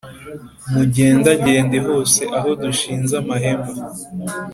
mugendagende hose aho dushinze amahema